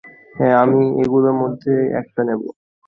হ্যাঁ, আমি এগুলোর মধ্যে একটা নেব।